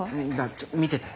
ちょっ見てて。